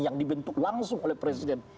yang dibentuk langsung oleh presiden